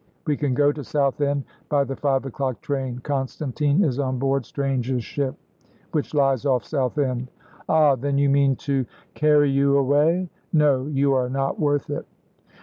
We can go to Southend by the five o'clock train. Constantine is on board Strange's ship, which lies off Southend." "Ah! Then you mean to " "Carry you away? No; you are not worth it."